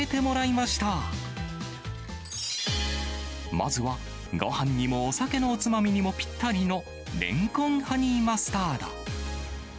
まずは、ごはんにもお酒のおつまみにもぴったりの蓮根ハニーマスタード。